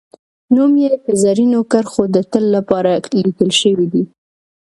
نوم یې په زرینو کرښو د تل لپاره لیکل شوی دی